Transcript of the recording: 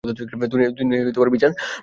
দুনিয়ায় বিচার নেই।